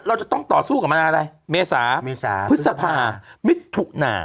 เราจะต้องต่อสู้กับมะนาอะไรเมษาพฤษภามิถุนา